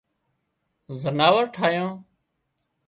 زناور ٺاهيان